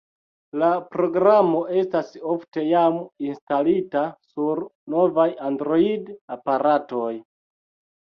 La programo estas ofte jam instalita sur novaj Android-aparatoj.